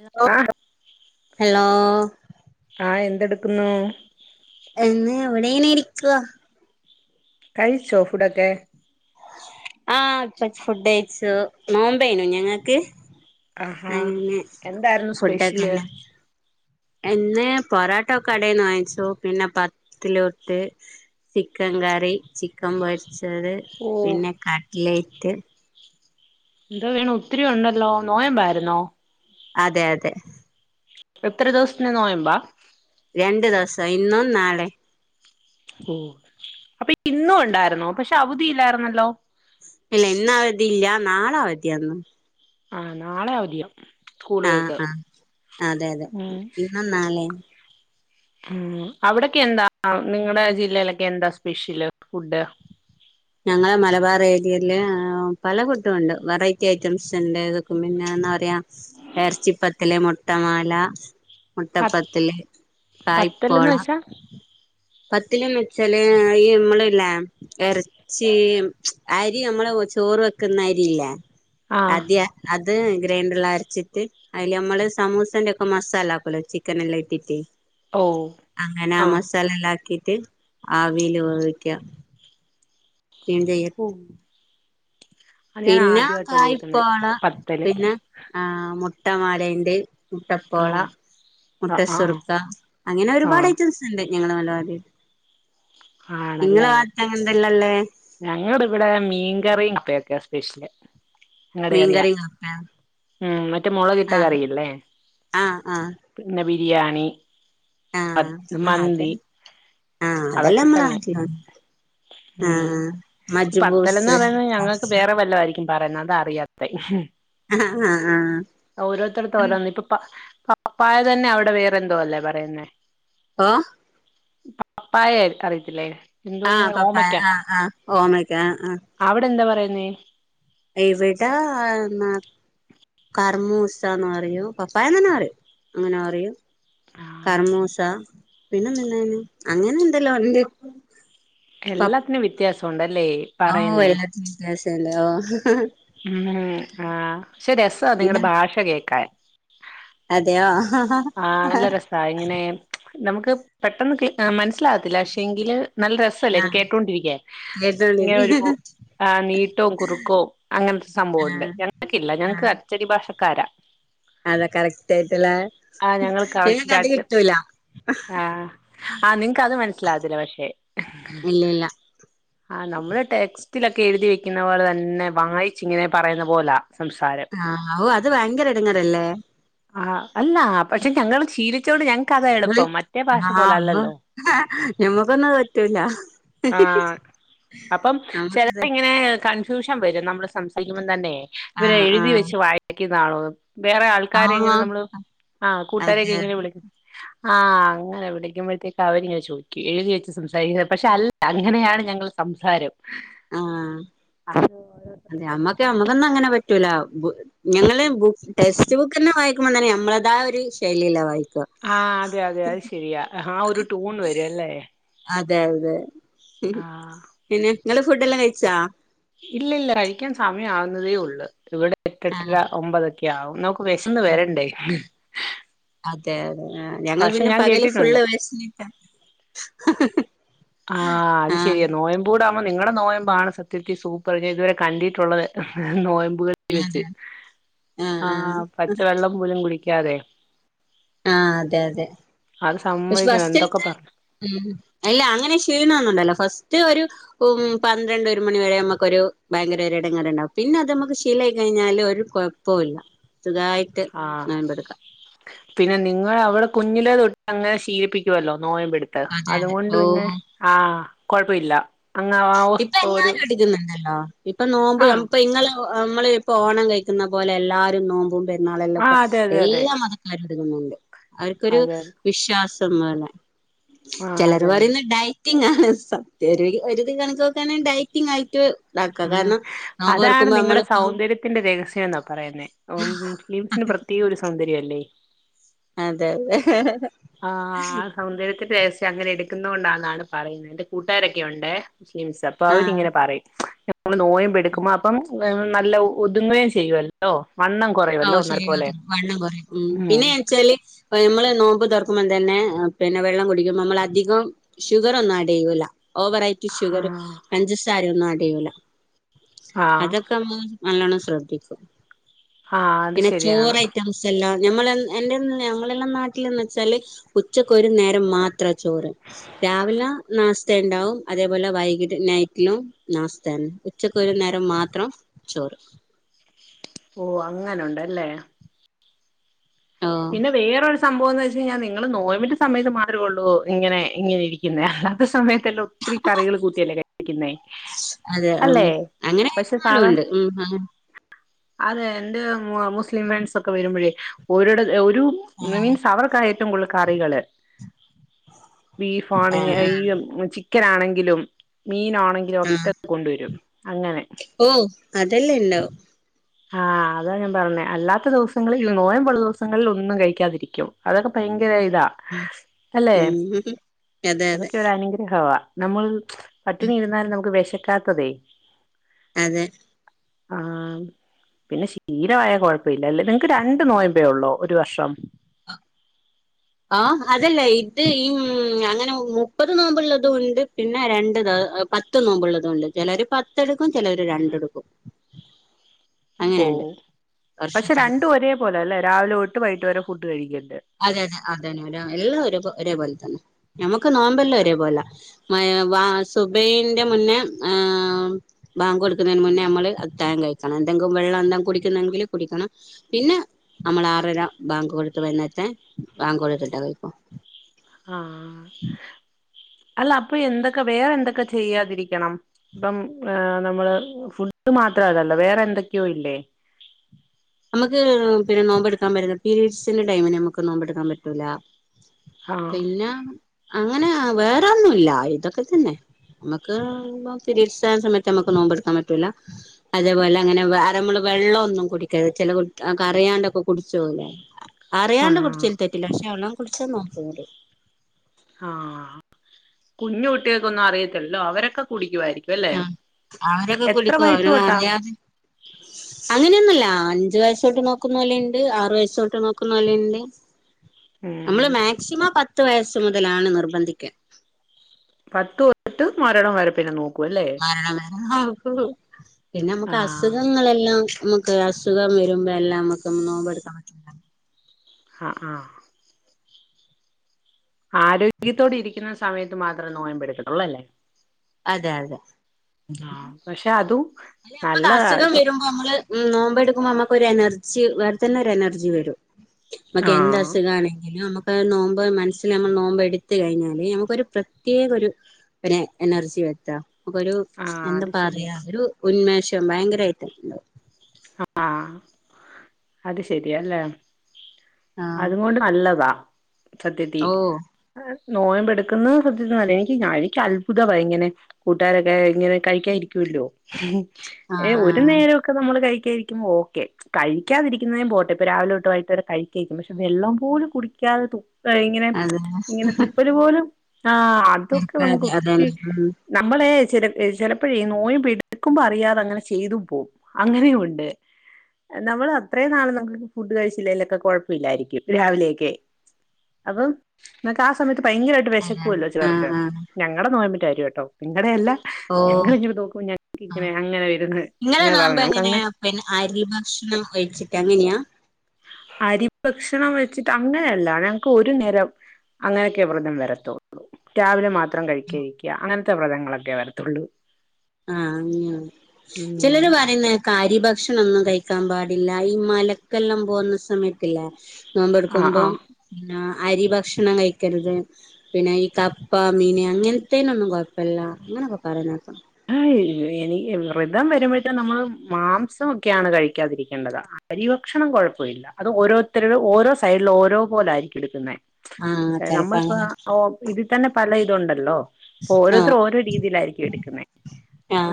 Hello ആഹ് hello എട്ക്കുന്നൂ ഇവിടീങ്ങനെ ഇരിക്കാ. കഴിച്ചോ ഫുഡൊക്കേ? ആഹ് ഇപ്പ ഫുഡഴിച്ചു, നോമ്പെയ്നു ഞങ്ങക്ക്. ആഹാ അങ്ങെ എന്തായിരുന്നു സ്പെഷ്യല് ഫുഡൊക്കെന്നെ എന്നെ പൊറാട്ട ഒക്കെ കടേന്ന് വാങ്ങിച്ചു, പിന്നെ പത്തിൽ ഉട്ട് ചിക്കൻ കറി, ചിക്കൻ പൊരിച്ചത് ഓഹ് പിന്നെ കട്ലെയ്റ്റ് ന്തോ വേണം ഒത്തിരി ഒണ്ടല്ലോ നോയമ്പായിരുന്നോ? അതെ അതെ. എത്ര ദിവസത്തിന് നോയമ്പാ? രണ്ടു ദിവസം, ഇന്നും നാളെ. അപ്പോ ഇന്നു ഒണ്ടായിരുന്നോ? പക്ഷേ അവധിയില്ലായിരുന്നല്ലോ? ഇല്ല ഇന്നവധി ഇല്ല, നാള അവതിയാന്നും ആഹ് നാളെ അവധിയ ആഹ് സ്കൂളുകൾക്ക്, ആഹ് അതെ അതെ ഉം ഇന്നും നാളെയും ഉം അവിടക്കെ എന്താ നിങ്ങടെ ജില്ലയിലൊക്കെ എന്താ സ്പെഷ്യല് ഫുഡ്? ഞങ്ങള മലബാർ ഏരിയല് പല കുട്ടുണ്ട്, വെറൈറ്റി ഐറ്റംസ്ണ്ട് ഇതൊക്കെ പിന്നെ എന്നാ പറയാ എർച്ചിപ്പത്തല്, മുട്ടമാല പ മുട്ടപ്പത്തില്, പത്തൽന്ന് കായ്പോള വെച്ചാ പത്തി ലോ മി ച്ചല് മ്മ ളുല്ലേ ഇറ - ചേഅരി നമ്മള്ല്ലേ ചോറ് വെക്കുന്ന അരിയില്ലേ ആഹ് അതി അത് ഗ്രൈണ്ടർല്ല ച്ചിട്ട് അതില് നമ്മള് സമൂസന്റെ ഒക്കെ മസാല ആക്കൂ ല്ലേ ചിക്കൻ എല്ലാം ഇട്ടിട്ട് ഓഹ് അങ്ങനെ ആ ആഹ് മസാലല്ലാ ക്കിട്ട് ആവീല് വേവിക്കാം പിൻചെയ്യ ഓഹ് അത് ഞാൻ പിന്നെ ആദ്യമായിട്ടാ കായ് കേൾക്കുന്നേ പോ ള പത്തല് പിന്നെ ആ മുട്ടമാലേന്റെ മുട്ടപ്പോള ആഹ് മുട്ട ആഹ് ആഹ് സുറുക്ക അങ്ങനെ ഒരുപാട് ആഹ് ഐറ്റംസ് ണ്ട് ഞങ്ങള്മലവാതി നിങ്ങള് വാദത്ത എന്തല്ലല്ലേ ഞങ്ങളു ടെ ഇവിടെ മീൻകറിയും പ്പൊക്കെ സ്പെഷ്യല് ഞങ്ങടെ ഏറിയ മീങ്കറി അപ്പ ഉം മറ്റേ മുളക്കിട്ട കറിയി ല്ലേ ആ ആ പിന്നെ ബിരിയാണി ആ അത് ആ അതെ മന്തി ആ അതെല്ലാം അതൊക്കെ നമ്മളെ തന്നെ നാട്ടിലാണ് ആ ഉം ഈ പത്തലന്ന് മജ്ബൂസ് പറയുന്നത് ആ ഞങ്ങൾക്ക് വേറെ വല്ല ആയി രിക്കും പറയുന്നതാ അറിയാത്തെഹി ഹി ആ ആ ഓരോരുത്തർത്ത ഓരോന്ന് ഇപ്പൊ പപ്പായ തന്നെ അവിടെ വേറെന്തോ അല്ലേ പറയുന്നേ ആഹ് പപ്പായ അറി യിത്തില്ലേ ആഹ് പ പ്പായ ആഹ ആഹ് ഓമയ്ക്ക ആഹ ആഹ നെ എവിടാ ന്ന കർമ്മൂസാ ന്ന് പറയു പപ്പായന്ന് തന്നെ പററയും അങ്ങനെ അറോ ആഹ് കർമോശ പിന്നെ എന്നി യന് അങ്ങനെ എന്തല്ലോണ്ടതിന്റ എല്ലാത്തിനും വ്യത്യാസൊ ണ്ട് ഓ എല്ലാത്തിനും വ്യത്യാസല്ലേ ഓഹ് ഹ് ഉം ആ ശോ രസാ നിങ്ങളു പിന്നെ ടെ ഭാഷ കേക്കാ ൻ അതെയോ ആഹ് ആഹ നല്ല രസാ ഇങ്ങനെ നമുക്ക് പെട്ടെന്ന് മനസ്സിലാവത്തില്ല പക്ഷെങ്കില് നല്ല രസല്ലേ കേട്ടോണ്ടിരിക്കാൻ കേട്ടോണ്ടിരിക്ക ഇങ്ങനൊരു പോ - ആ നീട്ടവും കുറുക്കവും അങ്ങനത്തെ സംഭവണ്ട് ആഹ് ഞങ്ങക്കില്ല ഞങ്ങക്ക് അച്ചടി ഭാഷ കര അത കറക്റ്റ് ആയിറ്റി ലെ ആഹ് ഞങ്ങൾക്ക്കറക്റ്റാദ്യം ആഹ് ആഹ് നിങ്ങക്കത് മനസ്സിലാവത്തില്ല പക്ഷെ ഇല്ല ഇല്ല ആ നമ്മള് ടെക്സ്റ്റിലൊക്കെ എഴുതി വെക്കുന്ന പോലെ തന്നെ വായിച്ച് ങ്ങനെ ഇങ്ങനെ പറയുന്ന പോലാ സംസാരം ആഹ് ഓ അത് ഭയങ്കര എടങ്ങേറല്ലേ ആ അല്ലാ പക്ഷെ ഞങ്ങള് ചീലിച്ചോണ്ട് ഞങ്ങക്കതാ നിങ്ങള് എളുപ്പം മറ്റേ ഭാഷ ആഹ് പോലെ അല്ലല്ലോ ല്ല ആഹ് അപ്പം ചിലർ നമ്മക്കത് ഇങ്ങനെ കണ്ട രൂ ഷം വരും നമ്മള് സംസാരിക്കുമ്പോ തന്നെ ഇവരെ ആഹ് എഴുതി ആഹ് വെച്ച് വായിക്കു താണോ വേറെ ആൾക്കാരെ ങ്ങനെ ആഹ് നമ്മള് ആ കൂട്ടരൊക്കെ അതെ അതെ എങ്ങനെ വിളിക്ക ആഹ് അങ്ങനെ വിളിക്കുമ്പോഴത്തേക്ക് അവരിങ്ങനെ ചോദിക്കു എഴുതി വെച്ച് സംസാരിക്കുന്നത് പക്ഷെ അല്ല അങ്ങനെയാണ് ഞങ്ങൾ സംസാരം ആഹ് അതെ അമ്മക്ക് അമ്മക്കൊന്നും അങ്ങനെ പറ്റൂല ഞങ്ങള് ബു ടെക്സ്റ്റ്ബു ക്കെന്നെ വായി- ഇപ്പൊ തന്നെ നമ്മുടേതായ ഒരു ശൈലിയിൽ ആയി വന്നേ ആ, അതെ അതെ അത് ശെരിയാ ആ ഒരു ടൂൺ വരും അല്ലേ അതെ അതെ ആഹ് പിന്നെ നിങ്ങള് ഫുഡ് എല്ലാം കഴിച്ചാ ഇല്ല, ഇല്ല കഴിക്കാൻ സമയ ആവുന്നതേ ഉള്ളൂ, ഇവിടെ എട്ടെട്ടര ആഹ് ഒമ്പതൊക്കെ ആകും നമുക്ക് വിശന്ന് ആഹ് വരണ്ടേ അതെ, അതെ ഞങ്ങൾ ഭക്ഷണം പിന്നെ ഞാൻ പകല് കേട്ടിട്ടുണ്ട് ഫുള്ള് വെശന്നിട്ട ആ, അത് ശെരിയാ നോയമ്പോൾ നിങ്ങളുടെ നോയമ്പാണ് സത്യത്തി സൂപ്പർ ഇതുവരെ കണ്ടിയിട്ടുള്ളത് നോയമ്പ വെച്ച് അതെ ആഹ് ആ് ആഹ് പച്ച വെള്ളം പോലും കുടിക്കാതെ ആ, അതെ അതെ അത് പക്ഷെ സമ്മതിക്കണം എന്തൊക്കെ ഫസ്റ്റിലത്തെ, പറഞ്ഞു ഇല്ല അങ്ങനെ ക്ഷീണ ഫസ്റ്റ് ഒരു ഉം, പന്ത്രണ്ട് ഒരു മണി വരെ നമുക്ക് ഒരു ഭയങ്കര ഇടങ്ങേറുണ്ടാവും പിന്നെ അത് നമ്മുക്ക് ശീലയി കഴിഞ്ഞാല് ഒരു കുഴപ്പമില്ല. തായിട്ട് ആഹ് നോയമ്പെടുക്കാം പിന്നെ നിങ്ങള് അവളെ കുഞ്ഞിലേ തൊട്ട് അങ്ങനെ ശീലിപ്പിക്കുവല്ലോ നോയമ്പടുത്ത് അതെ അതെ അതുകൊണ്ട് ഓ പിന്നെ ആ കൊഴപ്പമില്ല. അങ്ങാ ആ ഇപ്പൊ എല്ലാരും [unintelligible] എടുക്കുന്നുണ്ടല്ലോ ഇപ്പൊ നോമ്പും ആഹ് ഇപ്പൊ ഇങ്ങള് നമ്മൾ ഇപ്പ ഓണം കഴിക്കുന്ന പോലെ എല്ലാരും നോമ്പു നമ്മളെല്ലാ ആഹ് ഇപ്പ അതെ അതെ അതെ എല്ലാ മതക്കാരും എടുക്കുന്നുണ്ട് അവർക്കൊരു അതെ വിശ്വാസം ആഹ് ചിലർ അതെ അതെ പറയുന്ന ഡയറ്റിങ്ങാണ്, സത്യയായിരിക്കും [unintelligible] ഡയറ്റി ആയിട്ട് ഉണ്ടാക്കുക ആഹ് കാരണം നോമ്പ് അതാണ് തുറക്കുമ്പോ നിങ്ങടെ നമ്മളിപ്പോ സൗന്ദര്യത്തിന്റെ രഹസ്യം എന്നാ പറയുന്നെ, മുസ്ലിംസിന് പ്രത്യേക ഒരു സൗ ശരിയല്ലേ അതെ അതെ ആ, ആ സൗന്ദര്യത്തിന്റെ രഹസ്യം അങ്ങനെ എടുക്കുന്ന കൊണ്ടാന്നാണ് പറയുന്നത്. കൂട്ടുകാരൊക്കെ ഉണ്ടേ മുസ്ലിംസ്, അപ്പൊ ആഹ് അവരിങ്ങനെ പറയും നമ്മൾ നോയമ്പ് എടുക്കുമ്പോൾ അപ്പം നല്ല ഒതുങ്ങുകയും ചെയ്യുവല്ലോ. വണ്ണം ആഹ, കുറയുവല്ലോ ഒന്നര ശരിയാ പോലെ വണ്ണം കുറയും, ഉം പിന്നെ വെച്ചാല് നമ്മള് നോമ്പ് തൊറ ക്കുമ്പ തന്നെ പിന്നെ വെള്ളം കുടിക്കുമ്പോ നമ്മൾ അധികം ഷുഗർ ഒന്നും ആഡ് ചെയൂല ഓവറായിറ്റ് ഷുഗർ, ആഹ് പഞ്ചസാര ഒന്നും ആഡ് ചെയ്യുല, ആഹ് അതൊക്കെ ന നല്ലോണം ശ്രദ്ധിക്കും ആഹ് അത് പിന്നെ ശരിയാണ് ചോറ് ഐറ്റംസ് എല്ലാം ഞമ്മൾ എന്റെ, ഞമ്മളെല്ലാം നാട്ടിലന്ന് വെച്ചാല് ഉച്ചക്ക് ഒരു നേരം മാത്രാചോറ്. രാവിലെ നാസ്ത ഉണ്ടാവും അതേപോലെ വൈകിട്ട് നൈറ്റിലും നാസ്തയാണ്, ഉച്ചക്ക് ഒരു നേരം മാത്രം ചോറും ഓ അങ്ങനുണ്ടല്ലേ ഓഹ് പിന്നെ വേറൊരു സംഭവം എന്ന് വെ നിങ്ങൾ നോയമ്പിന്റെ സമയത്ത് മാത്രേള്ളൂ ഇങ്ങനെ ഇങ്ങനെ ഇരിക്കുന്നേ അല്ലാത്ത സമയ ല്ല ഒത്തിരി കറികൾ കൂട്ടിയല്ലേ കഴിപ്പിക്കുന്നേ അതെ ഉം, അങ്ങനെക്കുന്നാലോ ഉണ്ട്, ഉം അതെ എന്റെ മുസ്ലിം ഫ്രണ്ട്സ് ഒക്കെ വരുമ്പോഴേ ഒരിട ഒരു ആ മീൻസ് അവർക്കാ ഏറ്റവും കൂടുതൽ കറികള് ബീഫ് ആണെ ആഹ് ഈ ആഹ് ചിക്കൻ ആണെങ്കിലും മീനാണെങ്കിലും ആഹ് ഒക്കെ കൊണ്ടുവരും, അങ്ങനെ. ഓ അതെല്ലാം ഇണ്ടാവും ആ, അതാ ഞാൻ പറഞ്ഞെ അല്ലാത്ത ദിവസങ്ങളിൽ നോയമ്പുള്ള ദിവസങ്ങളിൽ ഒന്നും കഴിക്കാതിരിക്കും. അതൊക്കെ ഭയ ഇതാ അല്ലെ ഉം അതെ അതെ അതൊക്കെ ഒരു അനുഗ്രഹവാ നമ്മൾ പട്ടിണി ഇരുന്നാലും നമുക്ക് വിശക്കാത്തതേ. അതെ ആ പിന്നെ ശീലമായ കുഴപ്പ ഇല്ലല്ലേ, നിങ്ങക്ക് രണ്ട നോയമ്പേ ഉള്ളോ ഒരു വർഷം [unintelligible] ആ, അതല്ലേ ഇത് ഈ അങ്ങനെ മുപ്പത് നോമ്പ് ഉള്ളതും ഉണ്ട്, പിന്നെ രണ്ടത പത്ത് നോമ്പുള്ളതും കൊണ്ട് ചിലര് പത്തെ എടുക്കും ചിലര് രണ്ടെടുക്കും ഓ അങ്ങനെയുണ്ട് പക്ഷെ വർഷത്തില് രണ്ട ഒരേ പോലെ അല്ലേ രാവിലെട്ട് വൈകട്ട് വരെ ഫുഡ് കഴിക്ക അതെ അതെ അത തന്നെ അ എല്ലാം ഒ ഒരേപോലെ തന്നെ നമുക്ക് നോമ്പല്ലാം ഒരേപോലെ മ സുബന്റെ മുന്നേ ബാങ്ക് കൊടുക്കുന്നതിന് മുന്നേ നമ്മള് അത്താഴം കഴിക്കണം എന്തെങ്കിലും വെള്ളം എന്താ കുടിക്കുന്നെങ്കിൽ കുടിക്കണം പിന്നെ നമ്മൾ ആറര ബാങ്ക് കൊടുത്ത് വര വാങ്ങോട് രട്ട കയിക്ക ആ അല്ല അപ്പൊ എന്തൊക്കെ വേറെ എന്തൊക്കെ ചെയ്യാതിരിക്കണം ഇപ്പം നമ്മള് ഫുഡ് മാത്ര അത്ര അതല്ല വേറെ എന്തൊക്കെയോ ഇല്ലേ നമുക്ക് പിന്നെ നോമ്പ്ടുക്കാൻറ്റുന്ന പീരീഡ്സിന്റെ ടൈമന് നമുക്ക് നോമ്പെടുക്കാൻ പറ്റൂല ആഹ് പിന്നെ അങ്ങനെ വേറോന്നുംല്ല ഇതൊക്കെ തന്നെ നമുക്ക് തിരീത്ത സമയത്ത് നമുക്ക് നോമ്പെടുക്കാൻ പറ്റൂല അതേപോലെ അങ്ങനെ അരമുളക വെള്ളമ ഒന്നും കുടിക്കരുത് ചെ കു കറിയാണ്ടൊക്കെ കുടിച്ചോലേ അറിയാണ്ട് ആഹ് കുടിച്ചല തറ്റില്ല പക്ഷെ വെള്ളാം കുടിച്ച നോക്കൂ ആഹ കുഞ്ഞു കുട്ടികൾക്ക ഒന്നും അറിയത്തില്ലോ അവരൊക്കെ കുട ആ അവരൊക്കെ കുളിക്കും അവര വയസ്സ് തൊട്ടാ അറിയാതെ അങ്ങനെയൊന്നുംല്ല അഞ്ചു വയസ്സോ് നോക്കുന്ന പോലെുണ്ട് ആറു വയസ്സോട്ട് നോക്കുന്ന പോലുണ്ട് ഉം നമ്മള് മാക്സിമം പത്ത് വയസ്സു മുതലാണ് നിർബന്ധിക്കൻ പത്ത് തോട്ട് മരണം വരെ പിന്നെ നോക്ക ര പിന്നെ നമുക്ക് ആഹ് അസുഖങ്ങളെല്ലാം നമുക്ക് അസുഖം വരുമ്പോ എല്ലാം നമ്മുക്ക് നോമ്പെടുക്കാൻ പറ്റ ആ ആ ആരോഗ്യത്തോട് ഇരിക്കുന്ന സമയത്ത് മാത്രമേ നോമ്പടുക്കത്തുള്ളൂ അല്ലേ അതെ അതെ ആഹ പക്ഷെ അതും അല്ലെ നമ്മക്ക് നല്ലതാ അസുഖം ഇപ്പം വരുമ്പോ നമ്മള് നോമ്പ് എടുക്കുമ്പോ നമുക്കൊരു എനർജി അവിടെ തന്നെ ഒരു എനർജി വരും നമക്ക് എന്ത് ആഹ് അസുഖ ആണെങ്കിലും നുക്ക് നോമ്പോ മനസ്സിൽ നമ്മൾ നോമ്പോ എടുത്ത കഴിഞ്ഞാല് നമുക്കൊരു പ്രത്യേക ഒരു പി എനർജി വത്ത ഒരു ആഹ് എന്താ അത് ശരിയാ പറയാ ഒരു ഉന്മേഷം ഭയങ്കരമായിട്ട്ണ്ട ആഹ അത് ശരിയയല്ലേ ആഹ് അതു കൊണ്ട് നല്ലതാ സത്യത്തി ഓ നോയമ്പെടുക്കുന്ന സത്യന്നല്ല എനിക്ക് ഴക്ക് അത്ഭുതമാണ് ഇങ്ങനെ കൂട്ടുകാരൊക്കെ അനെ കഴിക്കരിക്കല്ലോ ആഹ് ഒരു ആഹ് നേരൊക്കെ നമ്മൾ ായിരിക്കുമ്പോ ഓക്കെ കഴിക്കാതിരിക്കുന്നതും പോട്ടെപ്പൊ രാവിലെ തട്ട് വായിട്ട്രെ കഴിക്കായിരിക്കും പക്ഷെ വെള്ളം പോലും കുിക്ക [unintelligible] ഇങ്ങനെ അതെ ഇങ്ങനെ തുപ്പരി പോലും ആ അതൊക്കെ നമുക്ക് അതെ അതെ ഒത്തിരി ഉം നമ്മളെ ച ചിലപ്പോ നോയി പിടുക്കുമ്പോ അറിയാതെ അങ്ങനെ ചെയ്തും പോവും അങ്ങനെയും ഉണ്ട് നമ്മൾ അത്രയും നാള് നമുക്ക് ഫുഡ് കഴിച്ചില്ലലൊക്കെ കൊഴപ്പ ഇില്ലായിരിക്കും രാവിലെയൊക്കെ അപ്പൊ നിക്ക് ആ സമയത്ത് ഭയങ്കരമായിട്ട് ആഹ് വിശക്കുവല്ലോ ചിലർക്ക് ആഹ് ഞങ്ങളടെ നോയമ്പറ്റാര്യ കേട്ടോ നിങ്ങളടെ എല്ലാം ഓ ഞങ്ങ ഇോട്ടട് തോക്കും ഞങ്ങ ആഹ് ഇങ്ങനെ അങ്ങനെ വന്ന് അങ്ങനെ പറഞ്ഞക്ക് അരിൽ ഭക്ഷണം കഴിച്ചിട്ട് അങ്ങനെയാ അരി ഭക്ഷണം വെച്ചിട്ട് അങ്ങനെയള്ള ഞങ്ങക്ക് ഒരു നേരം അങ്ങനെയൊക്കെ വ്രതം വരത്തുള്ളൂ ടബിലില് മാത്രം കഴിക്കഴിക്കുക അങ്ങനത്തെ വ്രതങ്ങളൊക്കെ വരത്തുള്ളൂ ആഹ ഉം ചിലര് പറയുന്ന കരി ഭക്ഷണൊന്നും കഴിക്കാൻ പാടില്ല ഈ മലക്കെല്ലാം പോകുന്ന സമയത്തില്ല നോമ്പ ആ ആ എടുക്കുമ്പം പിന്ന അരി ഭക്ഷണം കഴിക്കരുത് പിന്നെ ഈ കപ്പ മീൻ അങ്ങനത്തേനൊന്നും കൊഴപ്പില്ല [unintelligible] ആയ് [unintelligible] ഇനി വ്രതം വരുമ്പോഴ്ക്കിനും നമ്മള് മാംസംക്കെയാണ് കഴിക്കാതിരിക്കേണ്ടത് അരിഭക്ഷണം കുഴപ്പല്ല അത് ഓരോരുത്തരുടെ ഓരോ സൈഡില് ഓരോ പോലെ ആയിരിക്കും എടുക്കുന്നെ ആഹ് ചെലപ്പോ നമ്മളിപ്പോ അങ്ങനെ ഒ ഇതി തന്നെ പല ഇതുണ്ടല്ലോ അപ്പൊ ആഹ് ഓരോരുത്തര് ഓരോ രീതിയിലായിരിക്കും എടുക്കുന്നെ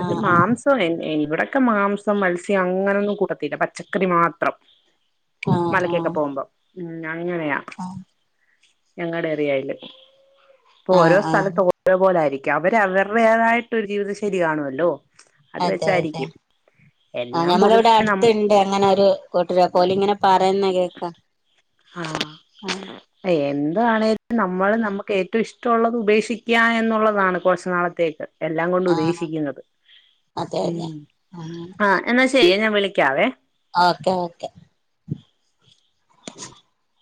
അത് മാംസ നി ഇവിടൊക്കെ മാംസം മത്സ്യം അങ്ങനൊന്നും കൂട്ടത്തില്ല പച്ചക്കറി മാത്രം ആഹ് ആഹ് മലക്കൊക്കെ പോകുമ്പം ഉം അങ്ങനെയ ആഹ് ആഹ് ഞങ്ങടെ ഏറിയയില് ഇപ്പൊ ഓരോ ആഹ് ആഹ് സ്ഥലത്ത് ഓരോ പോലെ ആയിരിക്ക അവര് അവരുടേതായ ഒരു ജീവിതം ശരി കാണുല്ലോ അത് വെച്ചായിരിക്കും ആ എല്ലാം ഞമ്മള പൊതുവെ ഇവിടെ നമ്മ അടുത്ത്ണ്ട് അങ്ങനെ ഒരു കൂട്ടര് അപോ ഓല് ഇങ്ങനെ പറയുന്ന കേക്കാ ആ എ അതാണെലും നമ്മള് നമുക്ക് ഏറ്റവും ഇഷ്ടള്ളത് ഉപേക്ഷിക്കാ എന്നുള്ളതാണ് കൊർച് നാളത്തേക്ക് എല്ലാം കൊണ്ട് ആഹ് ഉദ്ദേശിക്കുന്നത് അതെ അതെ ഉം ആ എന്നാ ശെ ഞാൻ വിളിക്കാവേ ഓക്കെ ഓക്കെ [inaudible]